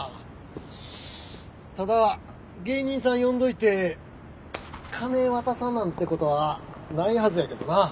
ただ芸人さん呼んどいて金渡さんなんて事はないはずやけどなあ。